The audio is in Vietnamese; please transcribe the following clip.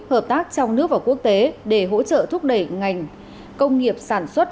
hợp tác trong nước và quốc tế để hỗ trợ thúc đẩy ngành công nghiệp sản xuất